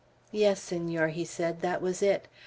"Yes, Senor," he said, "that was it.